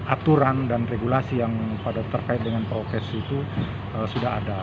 aturan dan regulasi yang pada terkait dengan prokes itu sudah ada